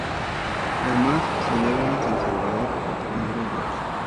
Además celebra San Salvador a primeros de agosto.